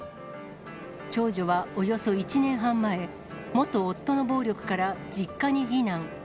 長女はおよそ１年半前、元夫の暴力から実家に避難。